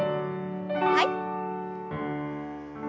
はい。